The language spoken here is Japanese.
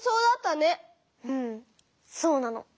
うんそうなの。